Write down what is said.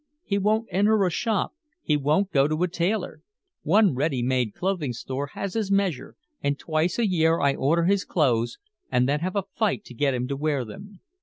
He won't enter a shop, he won't go to a tailor. One ready made clothing store has his measure and twice a year I order his clothes and then have a fight to get him to wear them.